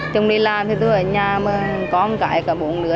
chồng đi làm thì tôi ở nhà mà con cãi cả bụng nữa